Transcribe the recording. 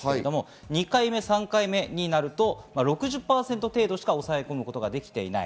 ２回目、３回目になると６０％程度しか抑え込むことしかできていない。